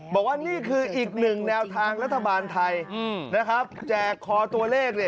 บอกว่านี่คืออีกหนึ่งแนวทางรัฐบาลไทยนะครับแจกคอตัวเลข